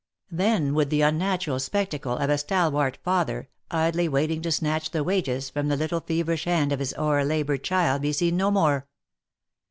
Then would the unnatural spectacle of a stalwart father idly waiting to snatch the wages from the little feverish hand of his o'er laboured child be seen no more.